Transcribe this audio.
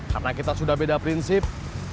karena kita sudah beda prinsip